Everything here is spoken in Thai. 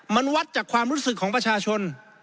มันวัดจากความรู้สึกของประชาชน